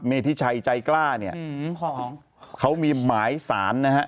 ธิชัยใจกล้าเนี่ยเขามีหมายสารนะฮะ